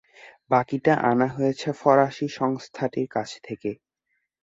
বাকিটা আনা হয়েছে ফরাসি সংস্থাটির কাছ থেকে।